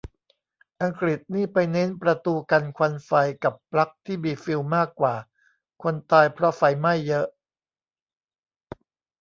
อังกฤษนี่ไปเน้นประตูกันควันไฟกับปลั๊กที่มีฟิวส์มากกว่า คนตายเพราะไฟไหม้เยอะ